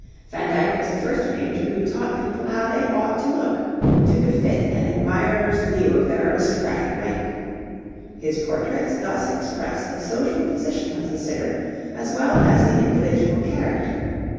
Van Dyck was the first painter who taught people how they ought to look, to befit an admirer's view of their aristocratic rank. His portraits thus express the social position of the sitter as well as the individual character.